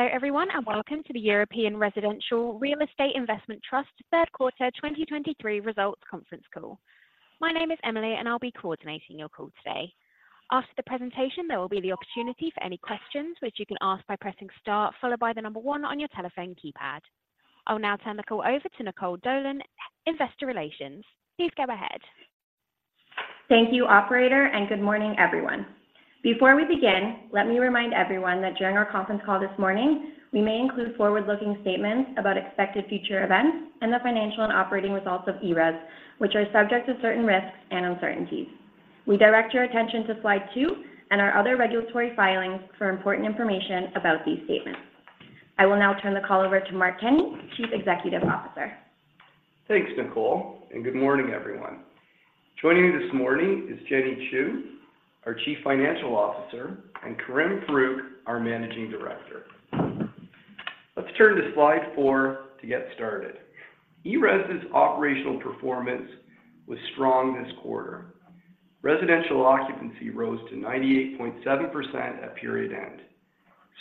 Hello, everyone, and welcome to the European Residential Real Estate Investment Trust third quarter 2023 results conference call. My name is Emily, and I'll be coordinating your call today. After the presentation, there will be the opportunity for any questions, which you can ask by pressing star, followed by the number one on your telephone keypad. I will now turn the call over to Nicole Dolan, Investor Relations. Please go ahead. Thank you, operator, and good morning, everyone. Before we begin, let me remind everyone that during our conference call this morning, we may include forward-looking statements about expected future events and the financial and operating results of ERES, which are subject to certain risks and uncertainties. We direct your attention to slide two and our other regulatory filings for important information about these statements. I will now turn the call over to Mark Kenney, Chief Executive Officer. Thanks, Nicole, and good morning, everyone. Joining me this morning is Jenny Chou, our Chief Financial Officer, and Karim Farooq, our Managing Director. Let's turn to slide four to get started. ERES's operational performance was strong this quarter. Residential occupancy rose to 98.7% at period end.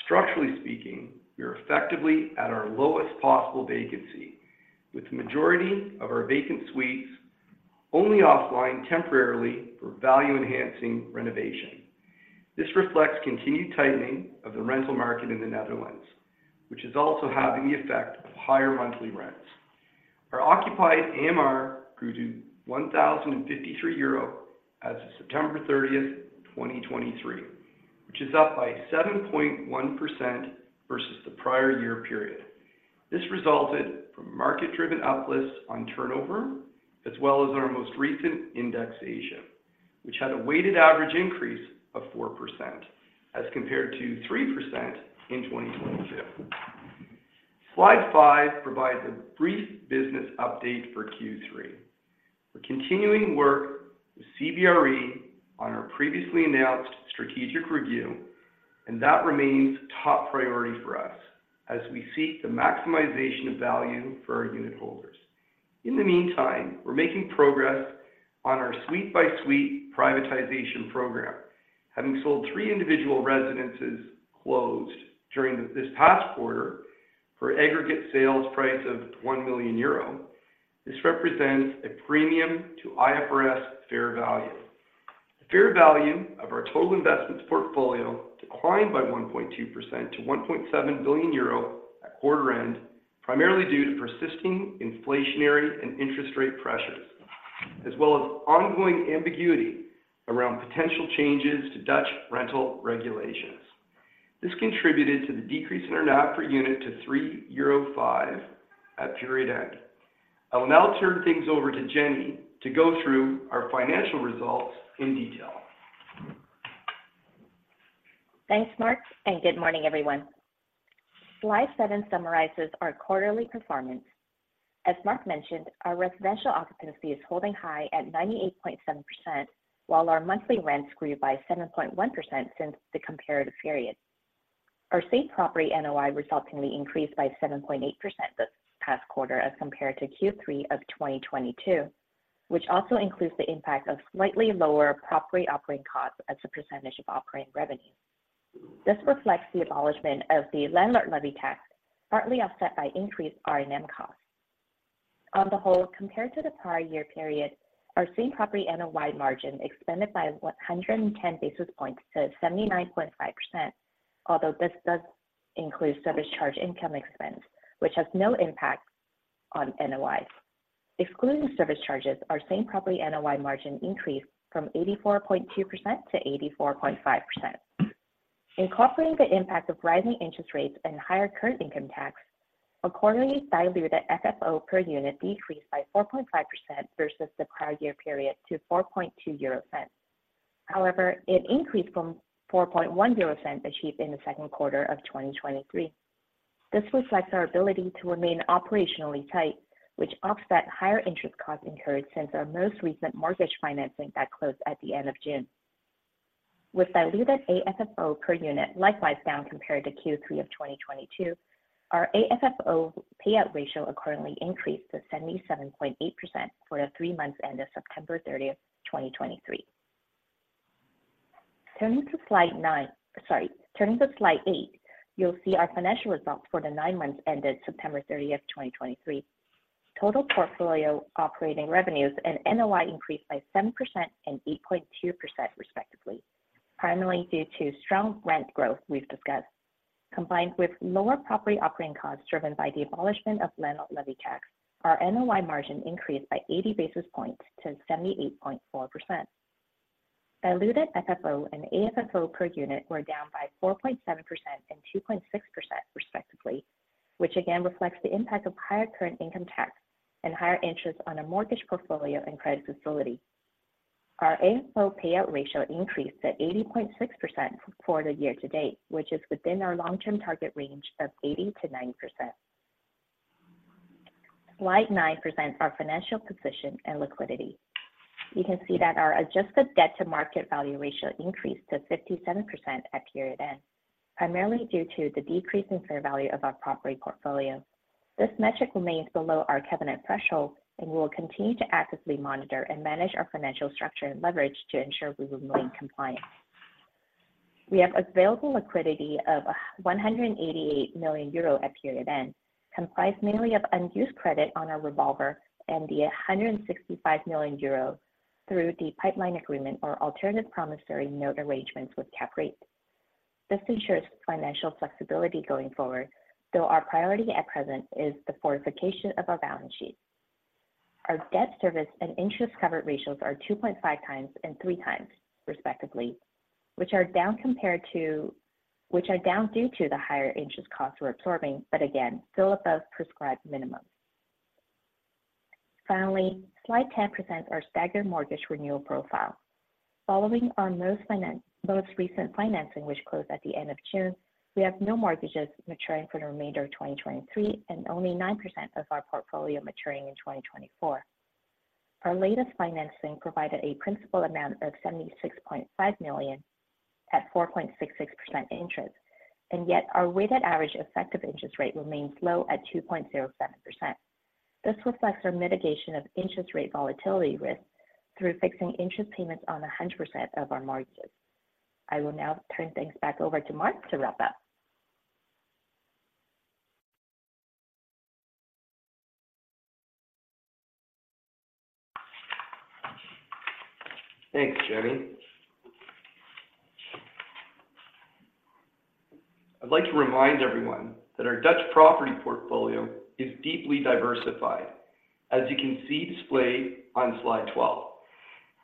Structurally speaking, we are effectively at our lowest possible vacancy, with the majority of our vacant suites only offline temporarily for value-enhancing renovation. This reflects continued tightening of the rental market in the Netherlands, which is also having the effect of higher monthly rents. Our occupied AMR grew to 1,053 euro as of September 30, 2023, which is up by 7.1% versus the prior year period. This resulted from market-driven uplifts on turnover, as well as our most recent indexation, which had a weighted average increase of 4%, as compared to 3% in 2022. Slide 5 provides a brief business update for Q3. We're continuing work with CBRE on our previously announced strategic review, and that remains top priority for us as we seek the maximization of value for our unitholders. In the meantime, we're making progress on our suite-by-suite privatization program, having sold three individual residences closed during this past quarter for aggregate sales price of 1 million euro. This represents a premium to IFRS fair value. The fair value of our total investments portfolio declined by 1.2% to 1.7 billion euro at quarter end, primarily due to persisting inflationary and interest rate pressures, as well as ongoing ambiguity around potential changes to Dutch rental regulations. This contributed to the decrease in our NAV per unit to 3.05 euro at period end. I will now turn things over to Jenny to go through our financial results in detail. Thanks, Mark, and good morning, everyone. Slide seven summarizes our quarterly performance. As Mark mentioned, our residential occupancy is holding high at 98.7%, while our monthly rents grew by 7.1% since the comparative period. Our same property NOI resultingly increased by 7.8% this past quarter as compared to Q3 of 2022, which also includes the impact of slightly lower property operating costs as a percentage of operating revenue. This reflects the abolishment of the landlord levy tax, partly offset by increased R&M costs. On the whole, compared to the prior year period, our same property NOI margin expanded by 110 basis points to 79.5%, although this does include service charge income expense, which has no impact on NOIs. Excluding service charges, our same property NOI margin increased from 84.2% to 84.5%. Incorporating the impact of rising interest rates and higher current income tax, our quarterly diluted FFO per unit decreased by 4.5% versus the prior year period to 0.042. However, it increased from 0.041 achieved in the second quarter of 2023. This reflects our ability to remain operationally tight, which offset higher interest costs incurred since our most recent mortgage financing that closed at the end of June. With diluted AFFO per unit likewise down compared to Q3 of 2022, our AFFO payout ratio accordingly increased to 77.8% for the three months ended September 30, 2023. Turning to slide nine. Sorry, turning to slide 8, you'll see our financial results for the 9 months ended September 30, 2023. Total portfolio operating revenues and NOI increased by 7% and 8.2%, respectively, primarily due to strong rent growth we've discussed. Combined with lower property operating costs driven by the abolishment of landlord levy tax, our NOI margin increased by 80 basis points to 78.4%. Diluted FFO and AFFO per unit were down by 4.7% and 2.6%, respectively, which again reflects the impact of higher current income tax and higher interest on a mortgage portfolio and credit facility. Our AFFO payout ratio increased to 80.6% for the year to date, which is within our long-term target range of 80%-90%. Slide nine presents our financial position and liquidity. You can see that our adjusted debt to market value ratio increased to 57% at period end, primarily due to the decrease in fair value of our property portfolio. This metric remains below our covenant threshold, and we will continue to actively monitor and manage our financial structure and leverage to ensure we remain compliant. We have available liquidity of 188 million euro at period end, comprised mainly of unused credit on our revolver and 165 million euro through the pipeline agreement or alternative promissory note arrangements with CAPREIT. This ensures financial flexibility going forward, though our priority at present is the fortification of our balance sheet. Our debt service and interest coverage ratios are 2.5 times and 3 times, respectively, which are down due to the higher interest costs we're absorbing, but again, still above prescribed minimums. Finally, slide 10 presents our staggered mortgage renewal profile. Following our most recent financing, which closed at the end of June, we have no mortgages maturing for the remainder of 2023, and only 9% of our portfolio maturing in 2024. Our latest financing provided a principal amount of 76.5 million at 4.66% interest, and yet our weighted average effective interest rate remains low at 2.07%. This reflects our mitigation of interest rate volatility risk through fixing interest payments on 100% of our mortgages. I will now turn things back over to Mark to wrap up. Thanks, Jenny. I'd like to remind everyone that our Dutch property portfolio is deeply diversified, as you can see displayed on slide 12.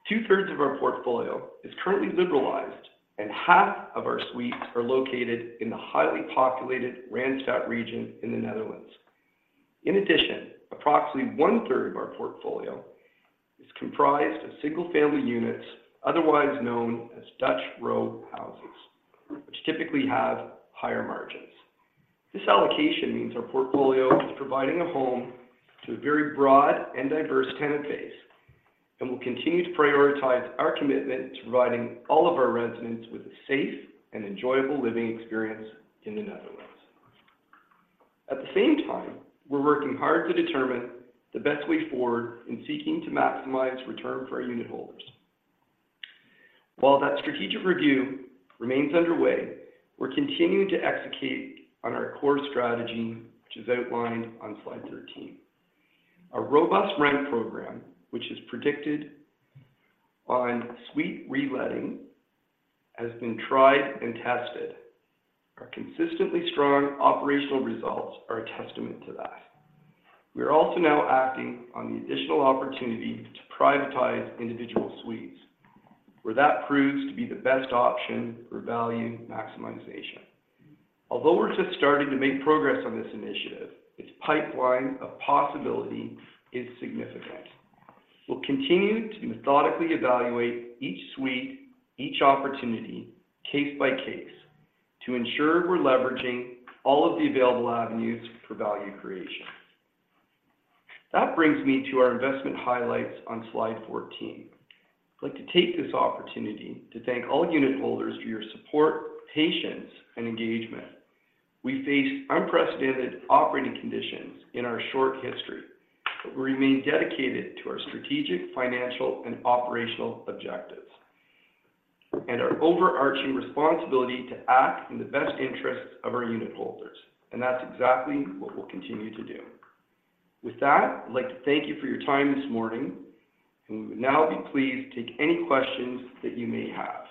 Two-thirds of our portfolio is currently liberalized, and half of our suites are located in the highly populated Randstad region in the Netherlands. In addition, approximately one-third of our portfolio is comprised of single-family units, otherwise known as Dutch row houses, which typically have higher margins. This allocation means our portfolio is providing a home to a very broad and diverse tenant base, and we'll continue to prioritize our commitment to providing all of our residents with a safe and enjoyable living experience in the Netherlands. At the same time, we're working hard to determine the best way forward in seeking to maximize return for our unitholders. While that strategic review remains underway, we're continuing to execute on our core strategy, which is outlined on slide 13. Our robust rent program, which is predicated on suite reletting, has been tried and tested. Our consistently strong operational results are a testament to that. We are also now acting on the additional opportunity to privatize individual suites, where that proves to be the best option for value maximization. Although we're just starting to make progress on this initiative, its pipeline of possibility is significant. We'll continue to methodically evaluate each suite, each opportunity, case by case, to ensure we're leveraging all of the available avenues for value creation. That brings me to our investment highlights on slide 14. I'd like to take this opportunity to thank all unitholders for your support, patience, and engagement. We face unprecedented operating conditions in our short history, but we remain dedicated to our strategic, financial, and operational objectives, and our overarching responsibility to act in the best interests of our unitholders, and that's exactly what we'll continue to do. With that, I'd like to thank you for your time this morning, and we would now be pleased to take any questions that you may have.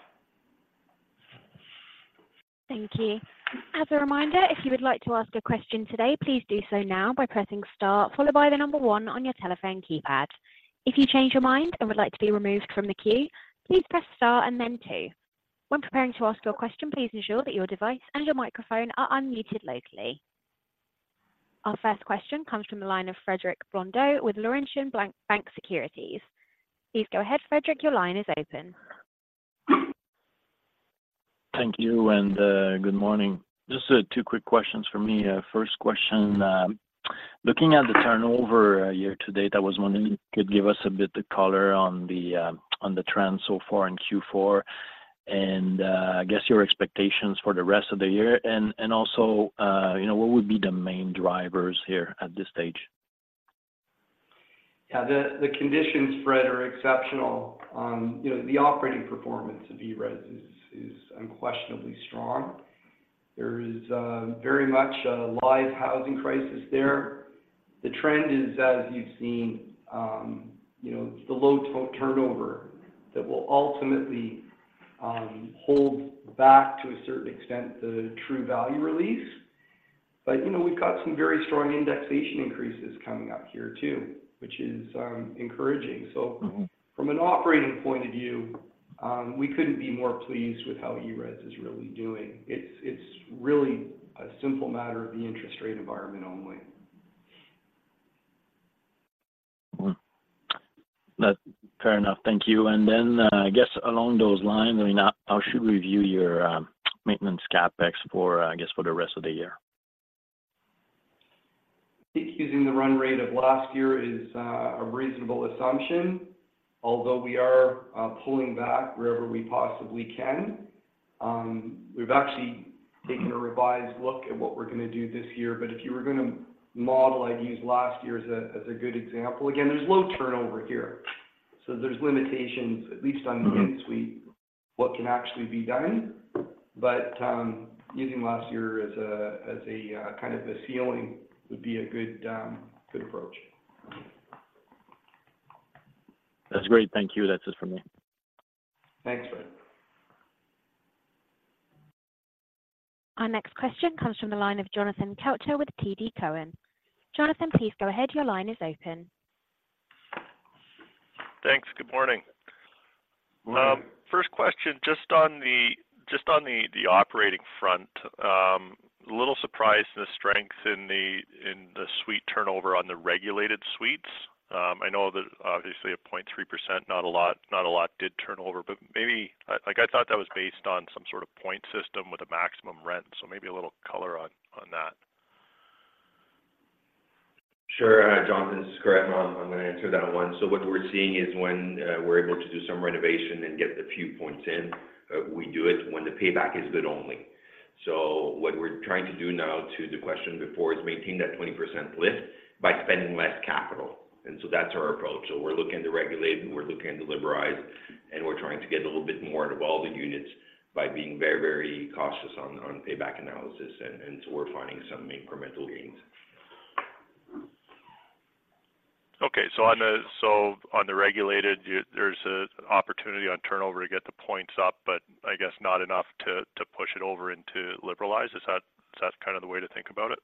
Thank you. As a reminder, if you would like to ask a question today, please do so now by pressing star, followed by the number one on your telephone keypad. If you change your mind and would like to be removed from the queue, please press star and then two. When preparing to ask your question, please ensure that your device and your microphone are unmuted locally. Our first question comes from the line of Frederic Blondeau with Laurentian Bank Securities. Please go ahead, Frederic, your line is open. Thank you, and, good morning. Just, two quick questions for me. First question, looking at the turnover, year to date, I was wondering if you could give us a bit of color on the, on the trend so far in Q4, and, I guess your expectations for the rest of the year, and, and also, you know, what would be the main drivers here at this stage? Yeah, the conditions, Fred, are exceptional. You know, the operating performance of ERES is unquestionably strong. There is very much a live housing crisis there. The trend is, as you've seen, you know, it's the low turnover that will ultimately hold back to a certain extent the true value release. But, you know, we've got some very strong indexation increases coming up here, too, which is encouraging. Mm-hmm. From an operating point of view, we couldn't be more pleased with how ERES is really doing. It's really a simple matter of the interest rate environment only. Fair enough. Thank you. And then, I guess along those lines, I mean, how should we view your maintenance CapEx for, I guess, for the rest of the year? I think using the run rate of last year is a reasonable assumption, although we are pulling back wherever we possibly can. We've actually taken a revised look at what we're going to do this year, but if you were going to model, I'd use last year as a good example. Again, there's low turnover here, so there's limitations, at least on the end suite, what can actually be done. But using last year as a kind of the ceiling would be a good approach. That's great. Thank you. That's it for me. Thanks, Fred. Our next question comes from the line of Jonathan Kelcher with TD Cowen. Jonathan, please go ahead. Your line is open. Thanks. Good morning. Good morning. First question, just on the operating front, a little surprised the strength in the suite turnover on the regulated suites. I know that obviously 0.3%, not a lot did turnover, but maybe, like, I thought that was based on some sort of point system with a maximum rent, so maybe a little color on that. Sure, Jonathan. Sure, I'm, I'm going to answer that one. So what we're seeing is when we're able to do some renovation and get the few points in, we do it when the payback is good only. So what we're trying to do now, to the question before, is maintain that 20% lift by spending less capital, and so that's our approach. So we're looking to regulate, we're looking to liberalize, and we're trying to get a little bit more out of all the units by being very, very cautious on the, on payback analysis, and so we're finding some incremental gains. Okay. So on the regulated, there's an opportunity on turnover to get the points up, but I guess not enough to push it over into liberalized. Is that kind of the way to think about it?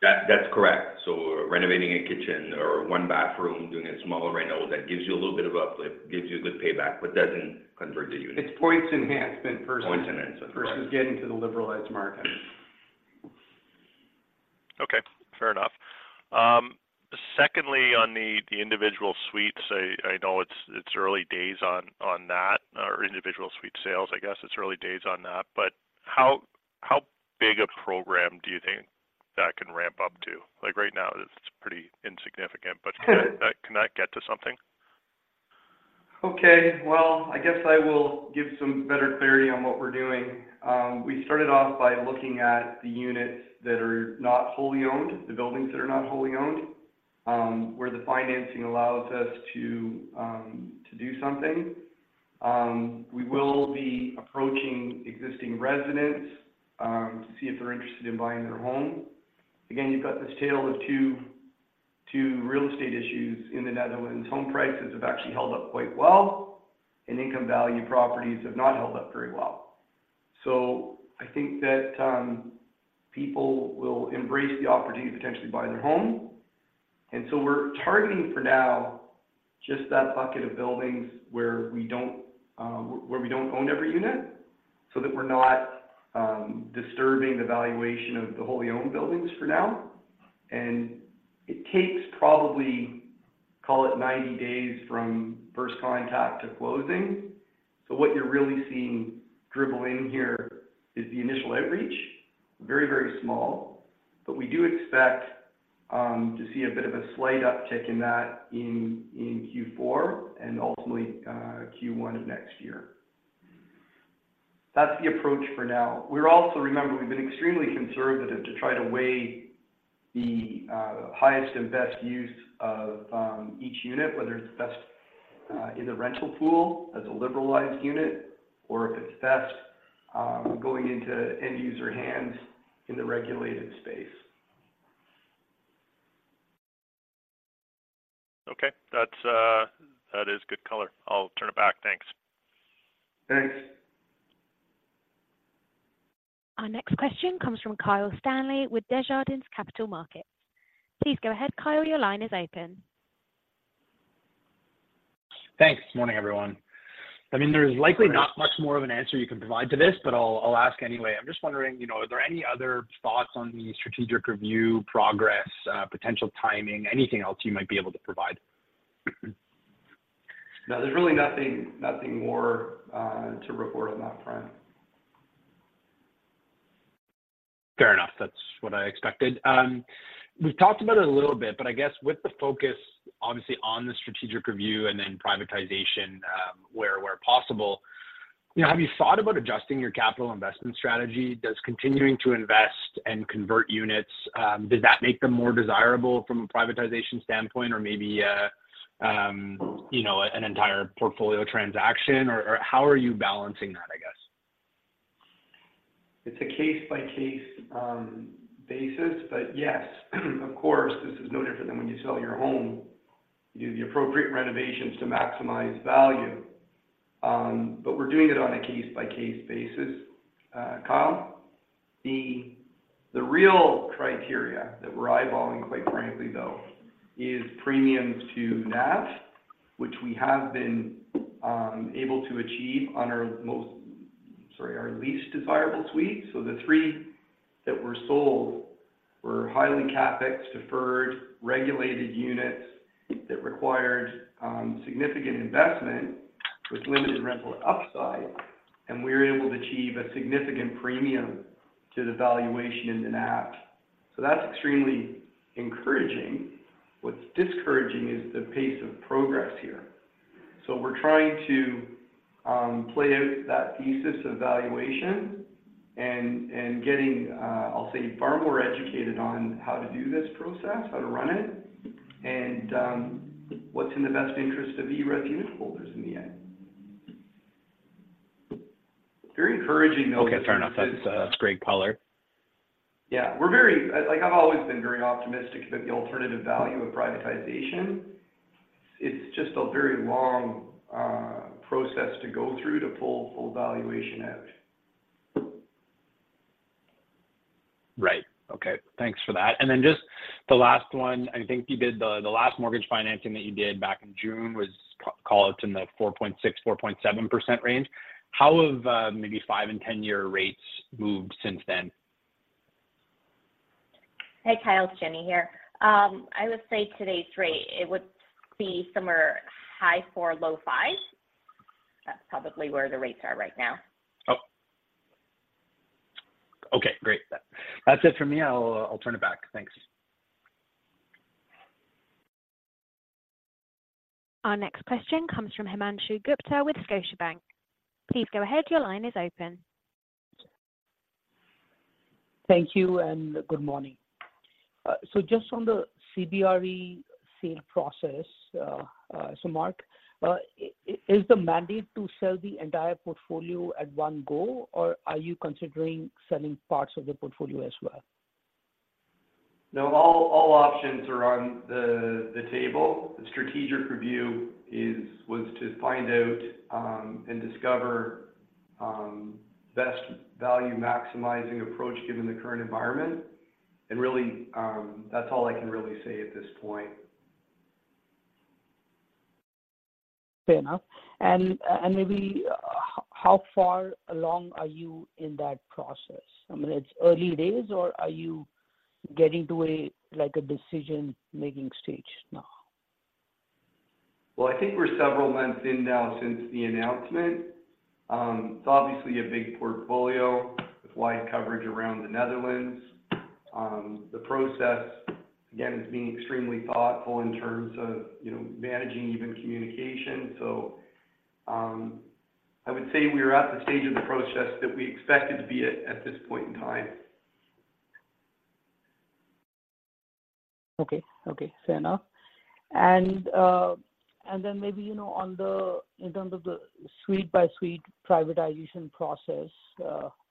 That, that's correct. So renovating a kitchen or one bathroom, doing a small reno, that gives you a little bit of uplift, gives you a good payback, but doesn't convert the unit. It's points enhancement versus- Points enhancement, right. Versus getting to the liberalized market. Okay, fair enough. Secondly, on the individual suites, I know it's early days on that, or individual suite sales. I guess it's early days on that. But how big a program do you think that can ramp up to? Like, right now, it's pretty insignificant, but can that get to something? Okay, well, I guess I will give some better clarity on what we're doing. We started off by looking at the units that are not wholly owned, the buildings that are not wholly owned, where the financing allows us to, to do something. We will be approaching existing residents, to see if they're interested in buying their home. Again, you've got this tale of two, two real estate issues in the Netherlands. Home prices have actually held up quite well, and income value properties have not held up very well. So I think that, people will embrace the opportunity to potentially buy their home. And so we're targeting for now, just that bucket of buildings where we don't, where we don't own every unit, so that we're not, disturbing the valuation of the wholly owned buildings for now. It takes probably, call it 90 days from first contact to closing. So what you're really seeing dribble in here is the initial outreach, very, very small, but we do expect to see a bit of a slight uptick in that in Q4 and ultimately Q1 of next year. That's the approach for now. We're also, remember, we've been extremely conservative to try to weigh the highest and best use of each unit, whether it's best in the rental pool as a liberalized unit, or if it's best going into end user hands in the regulated space. Okay, that's, that is good color. I'll turn it back. Thanks. Thanks. Our next question comes from Kyle Stanley with Desjardins Capital Markets. Please go ahead, Kyle, your line is open. Thanks. Morning, everyone. I mean, there's likely- Good morning. Not much more of an answer you can provide to this, but I'll ask anyway. I'm just wondering, you know, are there any other thoughts on the strategic review progress, potential timing, anything else you might be able to provide? No, there's really nothing, nothing more to report on that front. Fair enough. That's what I expected. We've talked about it a little bit, but I guess with the focus, obviously, on the strategic review and then privatization, where possible, you know, have you thought about adjusting your capital investment strategy? Does continuing to invest and convert units, does that make them more desirable from a privatization standpoint or maybe, you know, an entire portfolio transaction, or how are you balancing that, I guess? It's a case-by-case basis, but yes, of course, this is no different than when you sell your home. You do the appropriate renovations to maximize value, but we're doing it on a case-by-case basis, Kyle. The real criteria that we're eyeballing, quite frankly, though, is premiums to NAV, which we have been able to achieve on our least desirable suites. So the three that were sold were highly CapEx deferred, regulated units that required significant investment with limited rental upside, and we were able to achieve a significant premium to the valuation in the NAV. So that's extremely encouraging. What's discouraging is the pace of progress here. So we're trying to play out that thesis of valuation and getting, I'll say, far more educated on how to do this process, how to run it, and what's in the best interest of ERES unitholders in the end. Very encouraging, though- Okay, fair enough. That's, that's great color. Yeah, we're like, I've always been very optimistic about the alternative value of privatization. It's just a very long process to go through to pull full valuation out. Right. Okay, thanks for that. And then just the last one, I think you did the, the last mortgage financing that you did back in June was called in the 4.6%-4.7% range. How have maybe 5- and 10-year rates moved since then? Hey, Kyle, it's Jenny here. I would say today's rate, it would be somewhere high 4, low 5. That's probably where the rates are right now. Oh. Okay, great. That's it for me. I'll, I'll turn it back. Thanks. Our next question comes from Himanshu Gupta with Scotiabank. Please go ahead, your line is open. Thank you, and good morning. Just on the CBRE sale process, so Mark, is the mandate to sell the entire portfolio at one go, or are you considering selling parts of the portfolio as well? No, all options are on the table. The strategic review was to find out and discover best value-maximizing approach, given the current environment. Really, that's all I can really say at this point. Fair enough. And, and maybe how far along are you in that process? I mean, it's early days, or are you getting to a, like, a decision-making stage now? Well, I think we're several months in now since the announcement. It's obviously a big portfolio with wide coverage around the Netherlands. The process, again, is being extremely thoughtful in terms of, you know, managing even communication. So, I would say we are at the stage of the process that we expected to be at, at this point in time. Okay. Okay, fair enough. And, and then maybe, you know, on the—in terms of the suite-by-suite privatization process,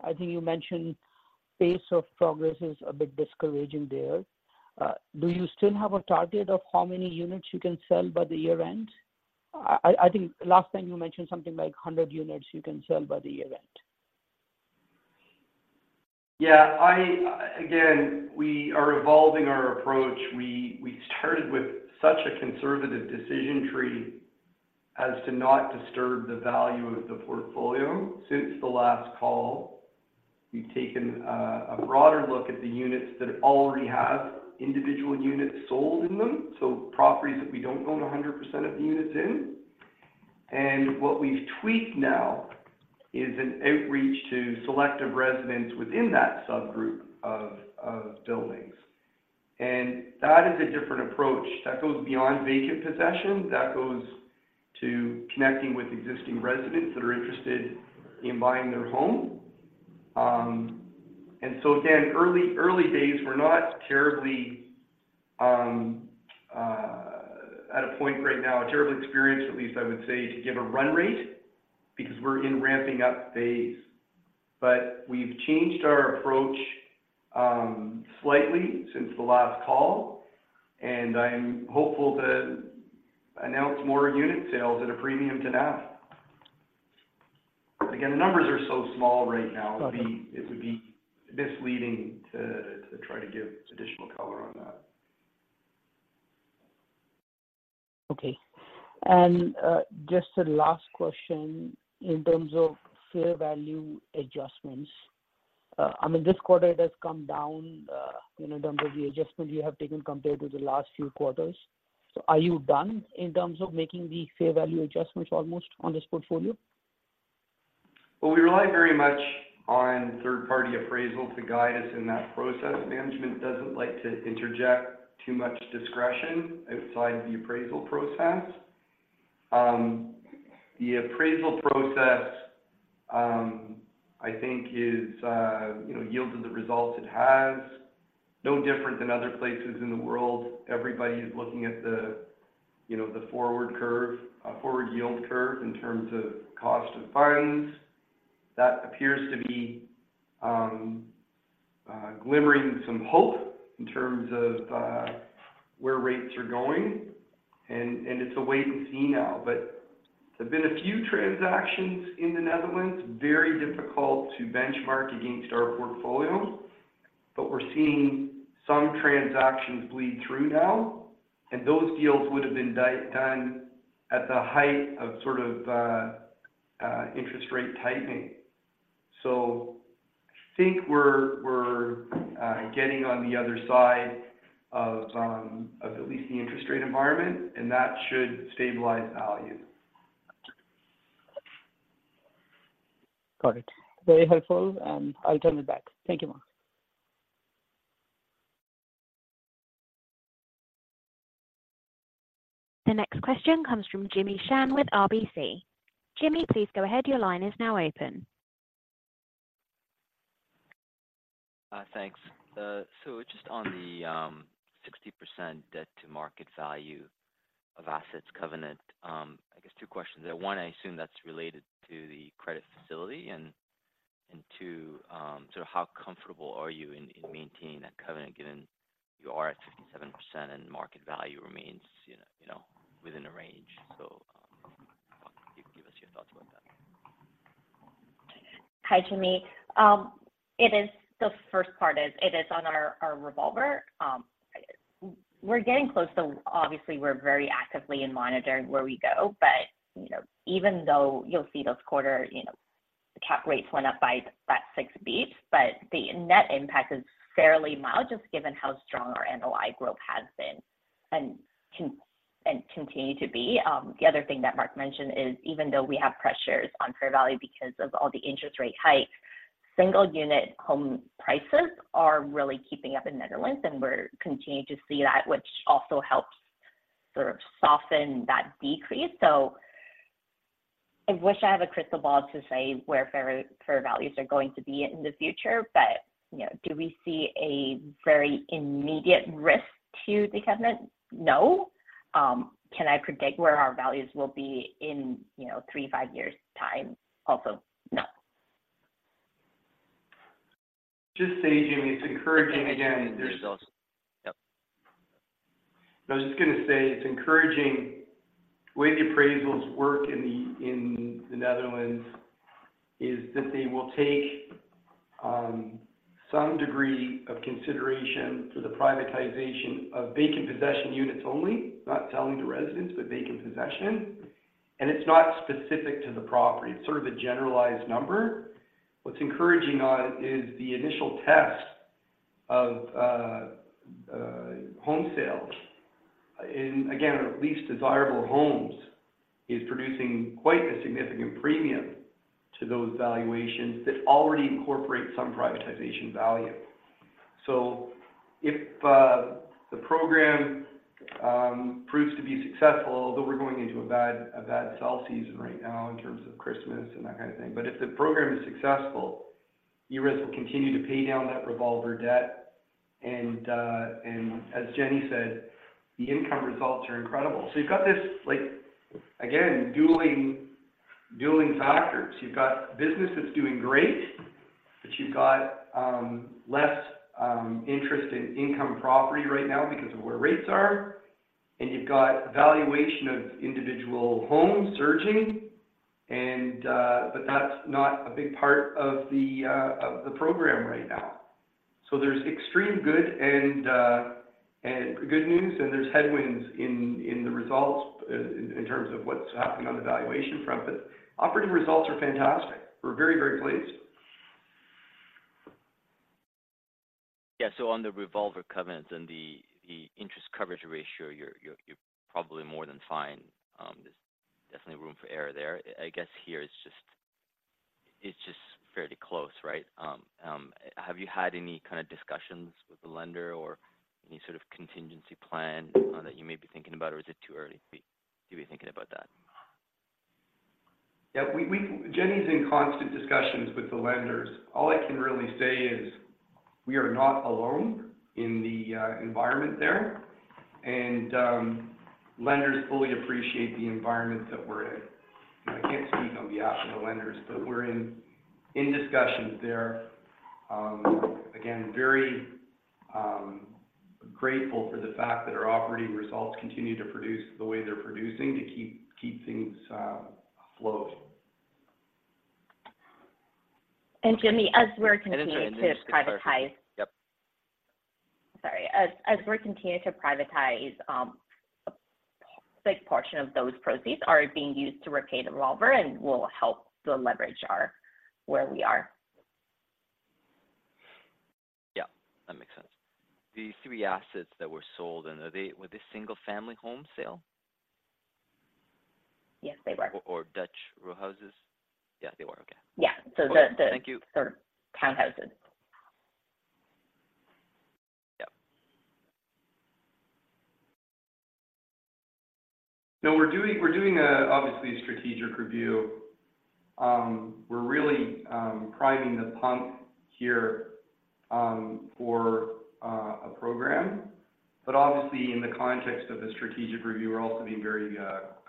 I think you mentioned pace of progress is a bit discouraging there. Do you still have a target of how many units you can sell by the year-end? I think last time you mentioned something like 100 units you can sell by the year-end. Yeah, again, we are evolving our approach. We started with such a conservative decision tree as to not disturb the value of the portfolio. Since the last call, we've taken a broader look at the units that already have individual units sold in them, so properties that we don't own 100% of the units in. And what we've tweaked now is an outreach to selective residents within that subgroup of buildings. And that is a different approach that goes beyond vacant possession, that goes to connecting with existing residents that are interested in buying their home. And so again, early, early days, we're not terribly at a point right now, a terrible experience, at least I would say, to give a run rate because we're in ramping up phase. But we've changed our approach, slightly since the last call, and I'm hopeful to announce more unit sales at a premium to now. Again, the numbers are so small right now- Got it. It would be misleading to try to give additional color on that. Okay. And, just a last question in terms of fair value adjustments. I mean, this quarter, it has come down, you know, in terms of the adjustment you have taken compared to the last few quarters. So are you done in terms of making the fair value adjustments almost on this portfolio? Well, we rely very much on third-party appraisals to guide us in that process. Management doesn't like to interject too much discretion outside the appraisal process. The appraisal process, I think is, you know, yields of the results it has, no different than other places in the world. Everybody is looking at the, you know, the forward curve, a forward yield curve in terms of cost of funds. That appears to be glimmering some hope in terms of where rates are going, and it's a wait-and-see now. But there have been a few transactions in the Netherlands, very difficult to benchmark against our portfolio, but we're seeing some transactions bleed through now, and those deals would have been done at the height of sort of interest rate tightening. So I think we're getting on the other side of at least the interest rate environment, and that should stabilize value. Got it. Very helpful, and I'll turn it back. Thank you, Mark. The next question comes from Jimmy Shan with RBC. Jimmy, please go ahead. Your line is now open. Thanks. So just on the 60% debt to market value of assets covenant, I guess two questions there. One, I assume that's related to the credit facility, and two, sort of how comfortable are you in maintaining that covenant, given you are at 57% and market value remains, you know, you know, within the range? So, if you can give us your thoughts about that. Hi, Jimmy. The first part is, it is on our revolver. We're getting close, so obviously we're very actively monitoring where we go. But, you know, even though you'll see this quarter, you know, the cap rates went up by about six basis points, but the net impact is fairly mild, just given how strong our NOI growth has been, and continue to be. The other thing that Mark mentioned is, even though we have pressures on fair value because of all the interest rate hikes, single unit home prices are really keeping up in Netherlands, and we're continuing to see that, which also helps sort of soften that decrease. I wish I had a crystal ball to say where fair, fair values are going to be in the future, but, you know, do we see a very immediate risk to the covenant? No. Can I predict where our values will be in, you know, 3-5 years time? Also, no. Just say, Jimmy, it's encouraging again. Yep. I was just going to say it's encouraging. The way the appraisals work in the Netherlands is that they will take some degree of consideration to the privatization of vacant possession units only, not selling to residents, but vacant possession. And it's not specific to the property. It's sort of a generalized number. What's encouraging on it is the initial test of home sales in, again, our least desirable homes, is producing quite a significant premium to those valuations that already incorporate some privatization value. So if the program proves to be successful, although we're going into a bad sell season right now in terms of Christmas and that kind of thing. But if the program is successful, ERES will continue to pay down that revolver debt, and, as Jenny said, the income results are incredible. So you've got this like, again, dueling factors. You've got business that's doing great, but you've got less interest in income property right now because of where rates are, and you've got valuation of individual homes surging and... But that's not a big part of the program right now. So there's extreme good and good news, and there's headwinds in the results in terms of what's happening on the valuation front, but operating results are fantastic. We're very, very pleased. Yeah. So on the revolver covenants and the interest coverage ratio, you're probably more than fine. There's definitely room for error there. I guess here it's just fairly close, right? Have you had any kind of discussions with the lender or any sort of contingency plan that you may be thinking about, or is it too early to be thinking about that? Yeah, Jenny is in constant discussions with the lenders. All I can really say is we are not alone in the environment there, and lenders fully appreciate the environment that we're in. I can't speak on behalf of the lenders, but we're in discussions there. Again, very grateful for the fact that our operating results continue to produce the way they're producing to keep things afloat. Jimmy, as we're continuing to privatize- Yep. Sorry. As we're continuing to privatize, a big portion of those proceeds are being used to repay the revolver and will help the leverage our where we are. Yeah, that makes sense. The 3 assets that were sold, were they single-family home sale? Yes, they were. Or Dutch row houses? Yeah, they were. Okay. Yeah. So the— Thank you. Sort of townhouses. Yep. No, we're doing obviously a strategic review. We're really priming the pump here for a program. But obviously, in the context of the strategic review, we're also being very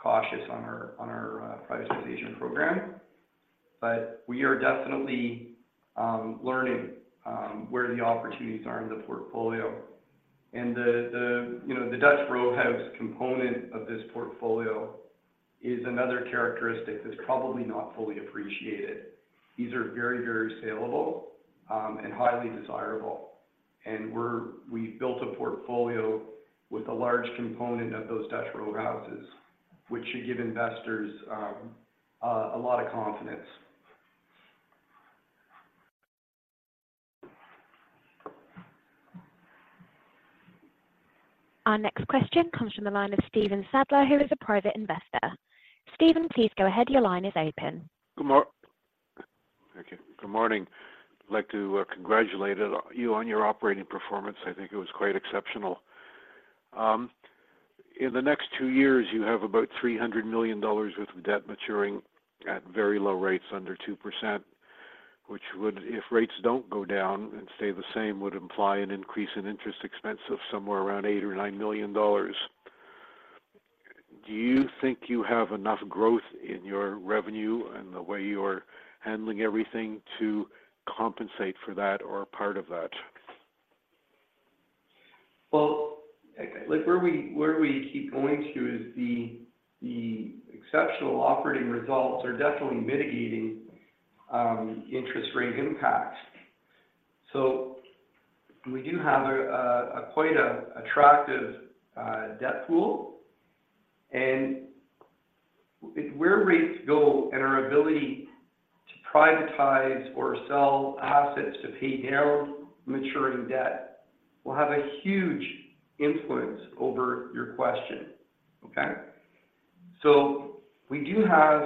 cautious on our privatization program. But we are definitely learning where the opportunities are in the portfolio. And you know, the Dutch row house component of this portfolio is another characteristic that's probably not fully appreciated. These are very, very saleable and highly desirable, and we've built a portfolio with a large component of those Dutch row houses, which should give investors a lot of confidence. Our next question comes from the line of Steven Sadler, who is a private investor. Steven, please go ahead. Your line is open. Good morning. I'd like to congratulate you on your operating performance. I think it was quite exceptional. In the next 2 years, you have about 300 million dollars worth of debt maturing at very low rates, under 2%, which would, if rates don't go down and stay the same, would imply an increase in interest expense of somewhere around 8 million or 9 million dollars. Do you think you have enough growth in your revenue and the way you're handling everything to compensate for that or part of that? Well, like, where we keep going to is the exceptional operating results are definitely mitigating interest rate impacts. So we do have a quite a attractive debt pool, and where rates go and our ability to privatize or sell assets to pay down maturing debt will have a huge influence over your question. Okay? So we do have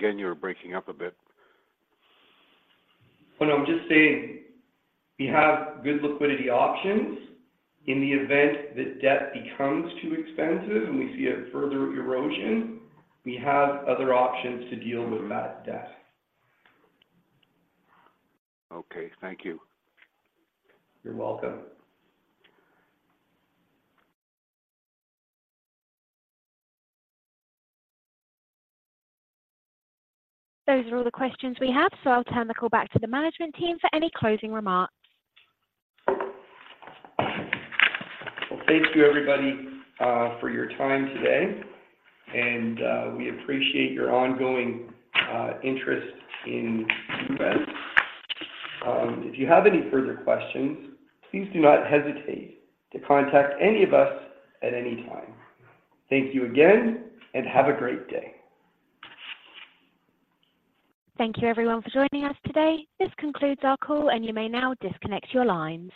You're breaking up a bit. No, I'm just saying we have good liquidity options in the event that debt becomes too expensive and we see a further erosion, we have other options to deal with that debt. Okay, thank you. You're welcome. Those are all the questions we have, so I'll turn the call back to the management team for any closing remarks. Well, thank you everybody for your time today, and we appreciate your ongoing interest in ERES. If you have any further questions, please do not hesitate to contact any of us at any time. Thank you again, and have a great day. Thank you everyone for joining us today. This concludes our call, and you may now disconnect your lines.